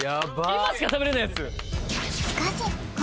今しか食べられないやつ